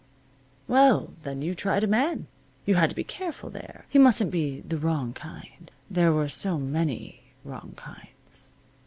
Well, then you tried a man. You had to be careful there. He mustn't be the wrong kind. There were so many wrong kinds.